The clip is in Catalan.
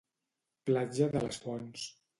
Platja de les Fonts